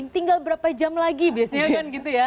tinggal berapa jam lagi biasanya kan gitu ya